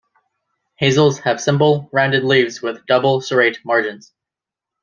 Hazels have simple, rounded leaves with double-serrate margins.